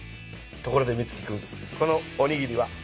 ところでミツキ君このおにぎりは？